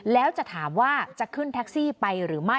แล้วจะถามว่าจะขึ้นแท็กซี่ไปหรือไม่